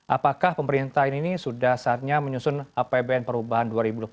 apakah pemerintah ini sudah saatnya menyusun apbn perubahan dua ribu dua puluh tiga